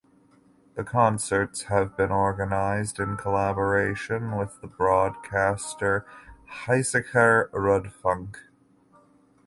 The concerts have been organised in collaboration with the broadcaster Hessischer Rundfunk.